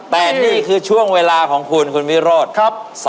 แต่นี่คือช่วงเวลาของคุณคุณวิโรธ